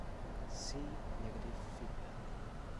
See Negative feedback.